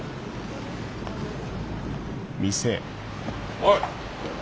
おい。